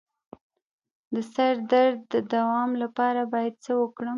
د سر درد د دوام لپاره باید څه وکړم؟